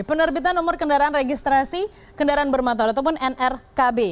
penerbitan nomor kendaraan registrasi kendaraan bermotor ataupun nrkb